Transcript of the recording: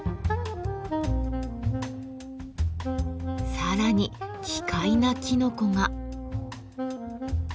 さらに奇怪なきのこが。